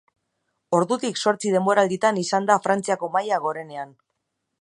Ordutik zortzi denboralditan izan da Frantziako maila gorenean.